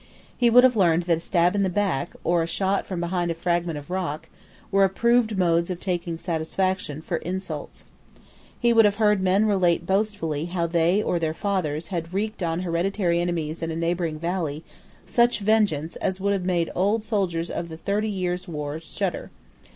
He would have learned that a stab in the back, or a shot from behind a fragment of rock, were approved modes of taking satisfaction for insults. He would have heard men relate boastfully how they or their fathers had wreaked on hereditary enemies in a neighbouring valley such vengeance as would have made old soldiers of the Thirty Years' War shudder.